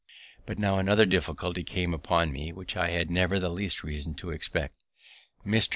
But now another difficulty came upon me which I had never the least reason to expect. Mr.